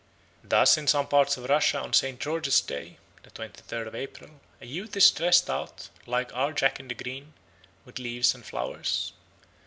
Thus in some parts of Russia on St. George's Day (the twenty third of April) a youth is dressed out, like our Jack in the Green, with leaves and flowers.